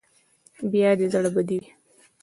بیا دې زړه بدې وي.